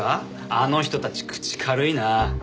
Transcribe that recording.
あの人たち口軽いなあ。